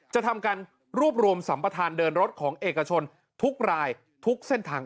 จะทำการรวบรวมสัมประธานเดินรถของเอกชนทุกรายทุกเส้นทาง